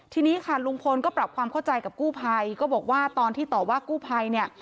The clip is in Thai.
ทีนี้ค่ะลุงพลก็ปรับความเข้าใจกับกู้ภัยก็บอกว่าตอนที่ต่อว่ากู้ภัยเนี่ย